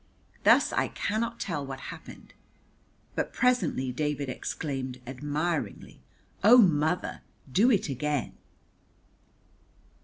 Thus I cannot tell what happened, but presently David exclaimed admiringly, "Oh, mother, do it again!"